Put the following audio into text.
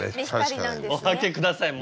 お開けください。